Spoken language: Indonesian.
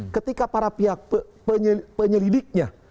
ketika para pihak penyelidiknya